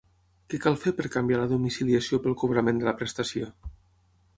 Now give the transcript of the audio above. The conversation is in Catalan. Què cal fer per canviar la domiciliació pel cobrament de la prestació?